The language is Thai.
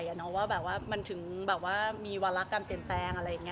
ต้องเข้าใจว่ามันถึงมีวัลลักษณ์การเปลี่ยนแปลง